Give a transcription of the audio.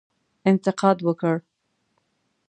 انتقاد وکړ.